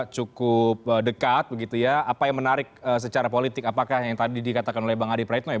cukup dekat begitu ya apa yang menarik secara politik apakah yang tadi dikatakan oleh bang adi praetno ya